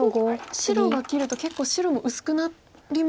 ただ白が切ると結構白も薄くなりますよね。